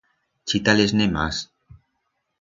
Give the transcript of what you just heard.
Chita-les-ne mas.